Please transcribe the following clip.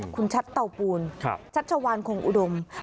คุณชัตร์เต้าปูนชัตร์ชะวานคงอุดมครับ